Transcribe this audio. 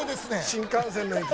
新幹線の駅。